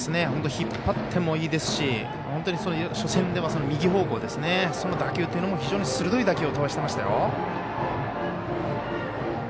本当に引っ張ってもいいですし初戦では、右方向その打球というのも鋭い打球を飛ばしてましたよ。